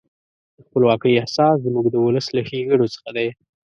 د خپلواکۍ احساس زموږ د ولس له ښېګڼو څخه دی.